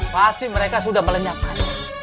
pasti mereka sudah melenyapkan